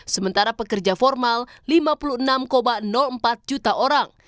sementara pekerja formal lima puluh enam empat juta orang